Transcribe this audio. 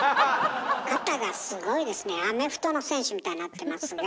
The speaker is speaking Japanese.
肩がすごいですねアメフトの選手みたいになってますが。